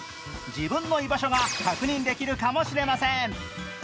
自分の居場所が確認できるかもしれません。